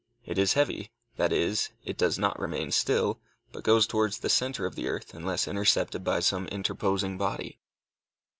It is heavy, that is, it does not remain still, but goes towards the centre of the earth unless intercepted by some interposing body.